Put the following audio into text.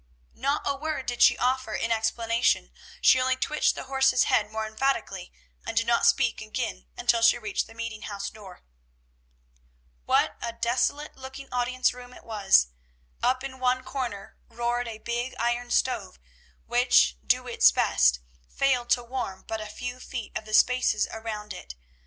'" Not a word did she offer in explanation; she only twitched the horse's head more emphatically, and did not speak again until she reached the meeting house door. What a desolate looking audience room it was! Up in one corner roared a big iron stove, which, do its best, failed to warm but a few feet of the spaces around it.